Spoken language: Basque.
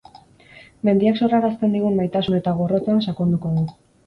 Mendiak sorrarazten digun maitasun eta gorrotoan sakonduko du.